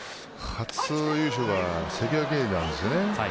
初優勝が関脇なんですよね。